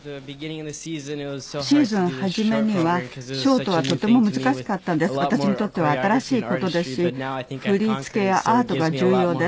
シーズン初めにはショートはとても難しかったんですが私にとっては新しいことですし振り付けやアートが重要です。